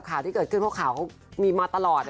ข่าวที่เกิดขึ้นเพราะข่าวเขามีมาตลอด